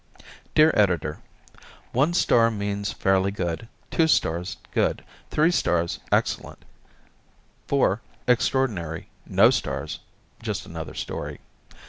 _ Dear Editor: One star means fairly good, two stars, good; three stars, excellent; four, extraordinary; no stars just another story.